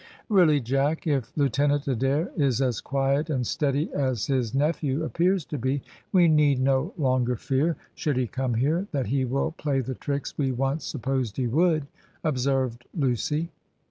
"Really, Jack, if Lieutenant Adair is as quiet and steady as his nephew appears to be, we need no longer fear, should he come here, that he will play the tricks we once supposed he would," observed Lucy.